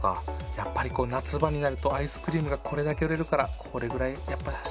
やっぱりこう夏場になるとアイスクリームがこれだけ売れるからこれぐらいやっぱ発注。